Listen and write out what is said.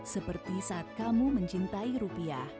seperti saat kamu mencintai rupiah